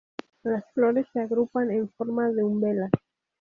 Las flores se agrupan en forma de umbela.